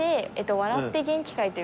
「笑って元気かい」？